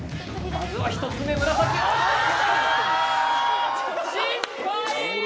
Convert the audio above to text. まずは１つ目紫あー！